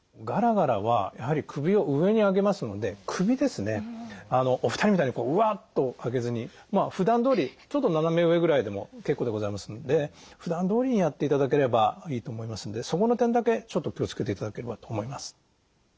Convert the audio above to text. ガラガラはやはり首を上に上げますので首ですねお二人みたいにうわっと上げずにふだんどおりちょっと斜め上ぐらいでも結構でございますのでふだんどおりにやっていただければいいと思いますのでそこの点だけちょっと気を付けていただければと思います。